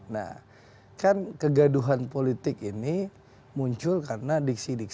nah kan kegaduhan politik ini muncul karena diksi diksi